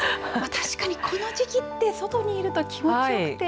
確かにこの時期って外にいると気持ちよくて。